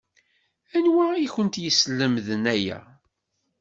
Anwa i kent-yeslemden aya?